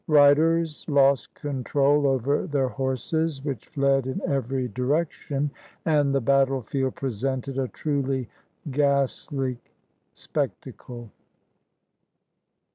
Riders lost control over their horses, which fled in every direction, and the battle field presented a truly ghastly spectacle.